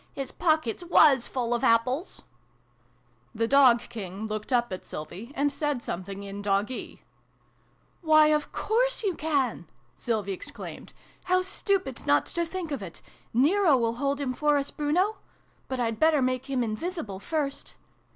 His pockets was full of apples !" The Dog King looked up at Sylvie, and said something in Doggee. " Why, of course you. can !" Sylvie exclaimed. "How stupid not to think of it ! Nero\\ hold him for us, Bruno ! But I'd better make him invisible, first."